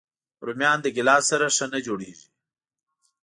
رومیان له ګیلاس سره ښه نه جوړيږي